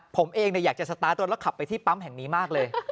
ผมเองอยากจะสตาร์ทรถแล้วขับไปที่ปั๊มแห่งนี้มากเลย